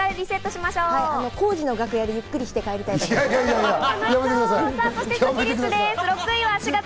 浩次の楽屋でゆっくりして帰りたいと思います。